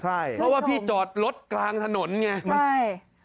เพราะว่าพี่จอดรถกลางถนนไง